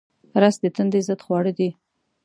رس د تندې ضد خواړه دي